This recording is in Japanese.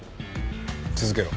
続けろ。